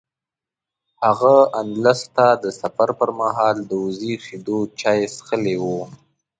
هغه اندلس ته د سفر پر مهال د وزې شیدو چای څښلي و.